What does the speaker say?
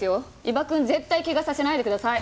伊庭くん絶対怪我させないでください。